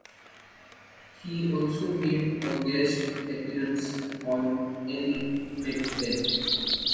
He also made a guest appearance on "Ally McBeal".